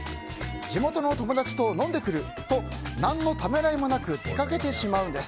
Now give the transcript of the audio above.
地元の友達と飲んでくると何のためらいもなく出かけてしまうんです。